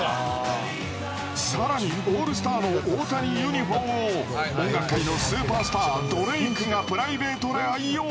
さらに、オールスターの大谷ユニフォームを音楽界のスーパースタードレイクが、プライベートで愛用。